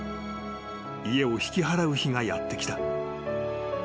［家を引き払う日がやってきた］